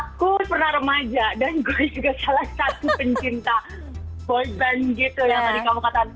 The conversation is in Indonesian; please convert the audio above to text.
aku pernah remaja dan gue juga salah satu pencinta boyband gitu yang ada di kamupan